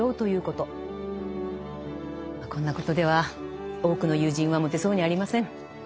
こんなことでは多くの友人は持てそうにありません。